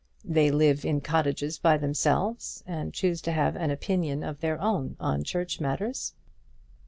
They live in cottages by themselves, and choose to have an opinion of their own on church matters.